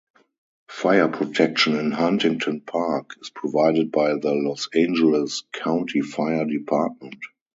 Fire protection in Huntington Park is provided by the Los Angeles County Fire Department.